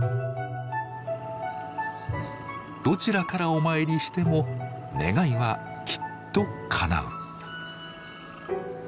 どちらからお参りしても願いはきっと叶う。